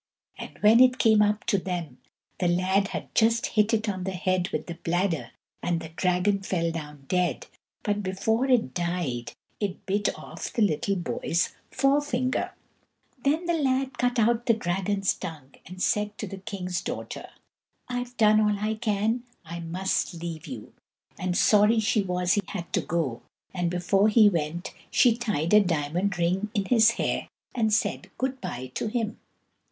But when it came up to them, the lad just hit it on the head with the bladder and the dragon fell down dead, but before it died, it bit off the little boy's forefinger. [Illustration: THE LITTLE BULL CALF] Then the lad cut out the dragon's tongue and said to the king's daughter: "I've done all I can, I must leave you." And sorry she was he had to go, and before he went she tied a diamond ring in his hair, and said good bye to him.